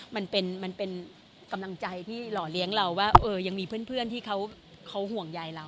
มันเป็นกำลังใจที่หล่อเลี้ยงเราว่ายังมีเพื่อนที่เขาห่วงใยเรา